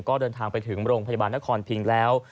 ก็เดินทางไปถึงโรงพยาบาลนครพิงแล้ว